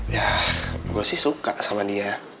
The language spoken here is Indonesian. ya gue sih suka sama dia